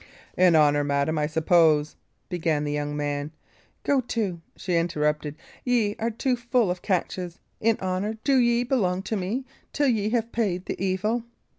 "In honour, madam, I suppose" began the young man. "Go to!" she interrupted; "ye are too full of catches. In honour do ye belong to me, till ye have paid the evil?"